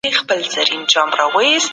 خلګ به د دي غونډې پايلو ته سترګي په لار وي.